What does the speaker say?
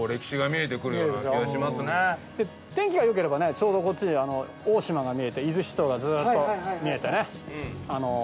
ちょうどこっちに大島が見えて伊豆七島がずっと見えてね。